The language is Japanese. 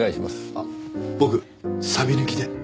あっ僕サビ抜きで。